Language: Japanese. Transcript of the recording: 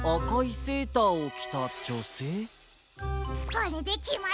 これできまりだ！